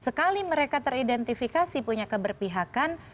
sekali mereka teridentifikasi punya keberpihakan